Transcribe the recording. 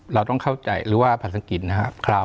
เราต้องเข้าใจหรือว่าภาษากินนะครับ